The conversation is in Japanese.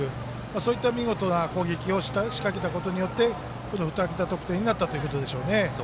そういった見事な攻撃を仕掛けたことによって２桁得点になったということでしょうね。